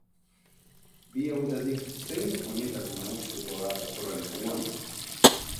Bi hauetatik zein oinetako nagusituko da datorren neguan?